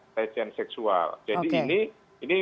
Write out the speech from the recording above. pelecehan seksual jadi ini